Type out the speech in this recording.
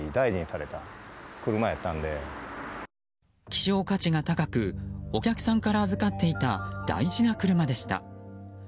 希少価値が高くお客さんから預かっていた大事な車でした。